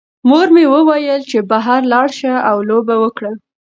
مور مې وویل چې بهر لاړ شه او لوبه وکړه.